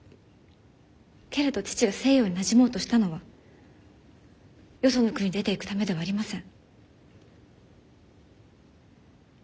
けれど父が西洋になじもうとしたのはよその国に出ていくためではありません。